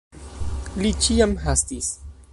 Li ĉiam hastis.